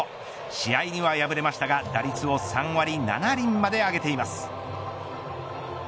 試合には敗れましたが、打率を３割７厘まで上げています。